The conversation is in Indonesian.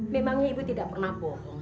memangnya ibu tidak pernah bohong